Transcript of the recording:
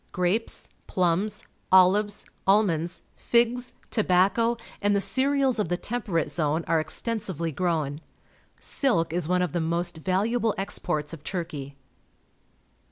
Grapes, plums, olives, almonds, figs, tobacco, and the cereals of the Temperate Zone are exten sively grown. Silk is one of the most valu able exports of Turkey.